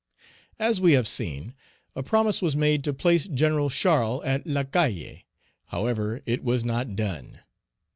As we have seen, a promise was made to place Gen. Charles at L'Arcahaye; however, it was not done.